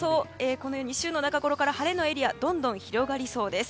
このように週の中ごろから晴れのエリアがどんどん広がりそうです。